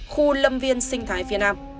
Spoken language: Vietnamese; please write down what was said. khu lâm viên sinh thái phía nam